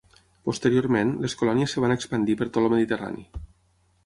Posteriorment, les colònies es van expandir per tot el Mediterrani.